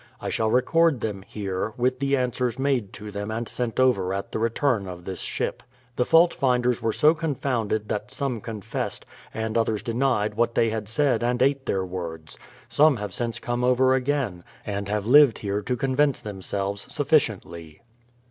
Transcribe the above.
I shall record them here, with the answers made to them and sent over at the return of this ship. The fault finders were so confounded that some confessed, and others denied what they had said and ate their words ; some have since come over again, and have lived here to convince themselves sufficiently.